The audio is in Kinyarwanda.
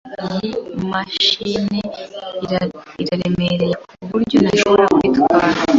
Iyi mashini iraremereye kuburyo ntashobora kuyitwara.